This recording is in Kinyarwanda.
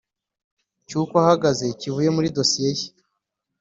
cy’uko ahagaze kivuye muri dosiye ye.